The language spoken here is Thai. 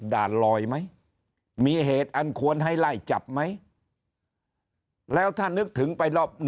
ด่านลอยไหมมีเหตุอันควรให้ไล่จับไหมแล้วถ้านึกถึงไปรอบ